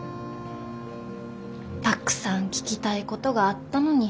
たくさん聞きたいことがあったのに。